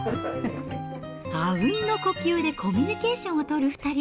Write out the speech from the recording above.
あうんの呼吸でコミュニケーションを取る２人。